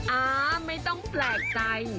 อ่าไม่ต้องแปลกใจ